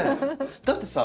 だってさ